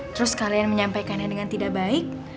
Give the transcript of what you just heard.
terus kalian menyampaikannya dengan tidak baik